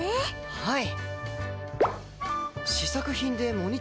はい！